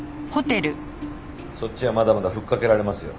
そっちはまだまだふっかけられますよ。